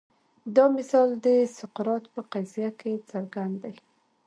دا مثال د سقراط په قضیه کې څرګند دی.